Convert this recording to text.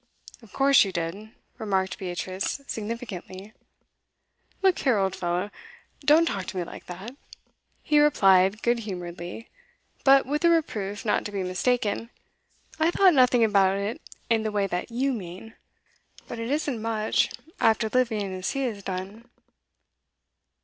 'Of course you did,' remarked Beatrice significantly. 'Look here, old fellow, don't talk to me like that,' he replied good humouredly, but with a reproof not to be mistaken. 'I thought nothing about it in the way that you mean. But it isn't much, after living as he has done.